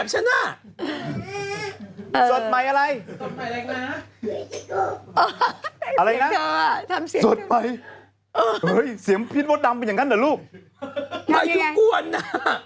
สดใหม่เออเฮ้ยเสียงพี่โมดดำเป็นอย่างงั้นเหรอลูกไม่อยู่กวนน่ะ